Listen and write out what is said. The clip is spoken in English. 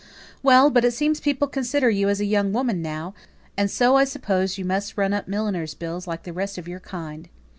"Well, but it seems people consider you as a young woman now, and so I suppose you must run up milliners' bills like the rest of your kind.